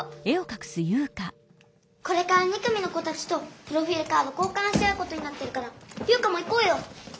これから２組の子たちとプロフィールカード交かんし合うことになってるから優花も行こうよ！